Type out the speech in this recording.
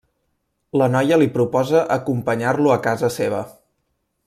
La noia li proposa acompanyar-lo a casa seva.